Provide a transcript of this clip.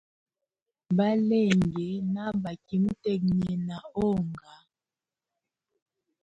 Balenge ndabaki mutegnena onga.